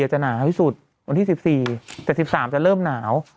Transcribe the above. วันที่๑๔แต่๑๓จะเริ่มหนาว